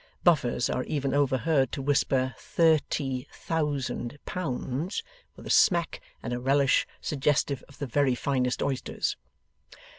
Buffers are even overheard to whisper Thir ty Thou sand Pou nds! with a smack and a relish suggestive of the very finest oysters.